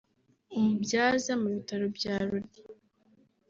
umubyaza mu bitaro bya Ruli